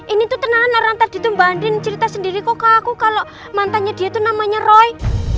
ini tuh tenangan orang tadi tuh mbak andin cerita sendiri kok aku kalo mantannya dia tuh namanya roy